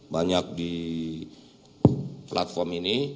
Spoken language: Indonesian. banyak di platform ini